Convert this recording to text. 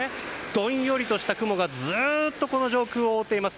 どんよりとした雲がずっと上空を覆っています。